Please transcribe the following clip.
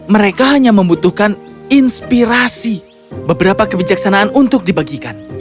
mereka hanya membutuhkan inspirasi beberapa kebijaksanaan untuk dibagikan